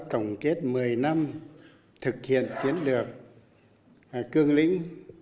chúng ta tổng kết một mươi năm thực hiện chiến lược cương lĩnh